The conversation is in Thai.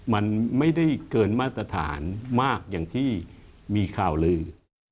มันไม่ได้เกินมาตรฐานมากอย่างที่มีข่าวลือ